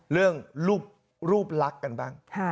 เรื่องรูปรูปรักกันบ้าง